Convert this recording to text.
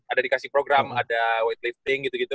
ada dikasih program ada weightlifting gitu gitu